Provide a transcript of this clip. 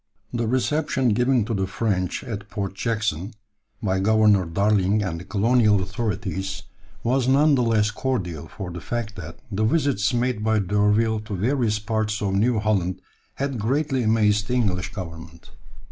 ] The reception given to the French at Port Jackson, by Governor Darling and the colonial authorities, was none the less cordial for the fact that the visits made by D'Urville to various parts of New Holland had greatly amazed the English Government.